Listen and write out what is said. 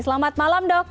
selamat malam dok